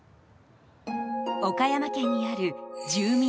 岡山県にある住民